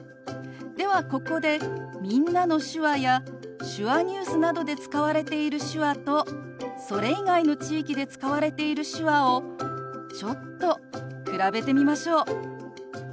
ではここで「みんなの手話」や「手話ニュース」などで使われている手話とそれ以外の地域で使われている手話をちょっと比べてみましょう。